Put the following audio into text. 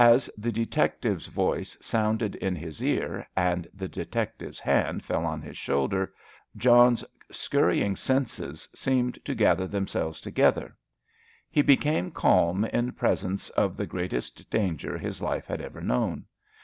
As the detective's voice sounded in his ear and the detective's hand fell on his shoulder, John's scurrying senses seemed to gather themselves together. He became calm in presence of the greatest danger his life had ever known.